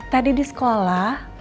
tadi di sekolah